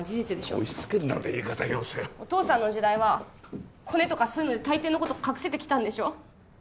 押しつけるなんて言い方よせお父さんの時代はコネとかで大抵のこと隠せてきたんでしょ？